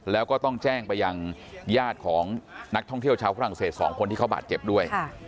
แล้วก็ต้องแจ้งไปยังญาติของนักท่องเที่ยวชาวฝรั่งเศส๒คนที่เขาบาดเจ็บด้วย